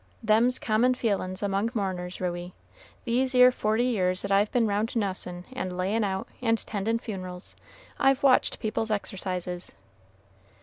"Them's common feelin's among mourners, Ruey. These 'ere forty years that I've been round nussin', and layin' out, and tendin' funerals, I've watched people's exercises.